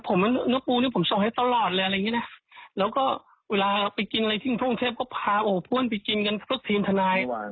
ผมน้องปูนี่ส่งให้ตลอดเลยแล้วก็เวลาไปกินอะไรที่พ่ออาทิตย์ก็พาผู้ห้วนไปกินกันกับทุกทีนทนาย